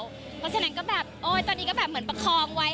เพราะฉะนั้นก็แบบโอ๊ยตอนนี้ก็แบบเหมือนประคองไว้